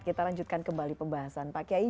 kita lanjutkan kembali pembahasan pak kiai